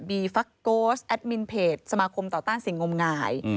ฟักโกสแอดมินเพจสมาคมต่อต้านสิ่งงมงาย